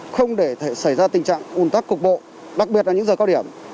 không để xảy ra tình trạng ủn tắc cục bộ đặc biệt là những giờ cao điểm